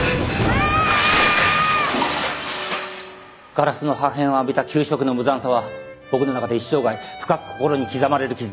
ガラスの破片を浴びた給食の無残さは僕の中で一生涯深く心に刻まれる傷となった。